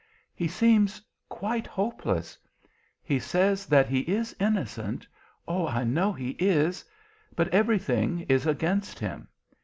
"He seems quite hopeless. He says that he is innocent oh, I know he is but everything is against him.